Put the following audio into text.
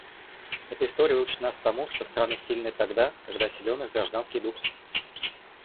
Эта история учит нас тому, что страны сильны тогда, когда силен их гражданский дух.